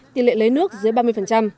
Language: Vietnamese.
tỉ lệ lấy nước dưới ba mươi